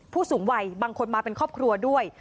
ผู้สูงวัยบางคนมาเป็นครอบครัวด้วย